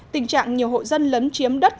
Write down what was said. tình trạng nhiều hộ dân lấn chiếm đất